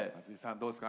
どうですか？